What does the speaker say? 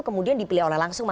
kemudian dipilih oleh langsung